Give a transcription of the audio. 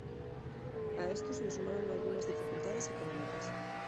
A esto se le sumaron algunas dificultades económicas.